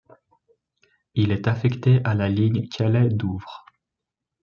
Il est affecté à la ligne Calais—Douvres.